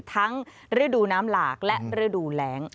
ทั้งฤดูน้ำหลากและฤดูแหลง